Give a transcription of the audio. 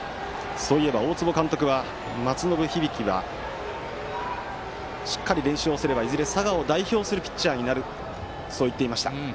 そういえば大坪監督は松延響はしっかり練習をすればいずれ佐賀を代表するピッチャーになると言っていました。